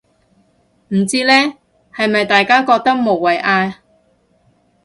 唔知呢，係咪大家覺得無謂嗌